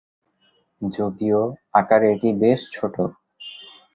যদিও আকারে এটি বেশ ছোট।